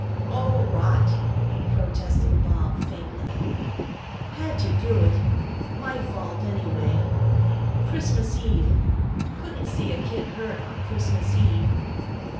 "Oh, rot!" protested Bob faintly. "Had to do it; my fault anyway; Christmas Eve, couldn't see a kid hurt on Christmas Eve."